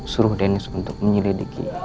suruh dennis untuk menyelidiki